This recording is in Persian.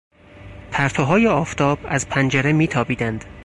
پرتوهای آفتاب از پنجره میتابیدند.